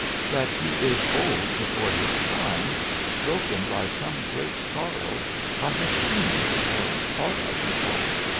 That he is old before his time, broken by some great sorrow, I have seen, or thought I saw.